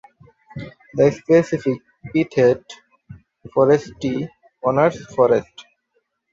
The specific epithet ("forrestii") honours Forrest.